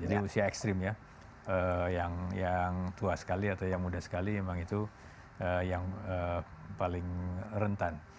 jadi usia ekstrim ya yang tua sekali atau yang muda sekali memang itu yang paling rentan